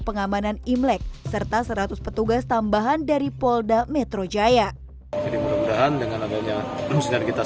pengamanan imlek serta seratus petugas tambahan dari polda metro jaya dengan adanya berusia kita